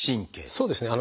そうですね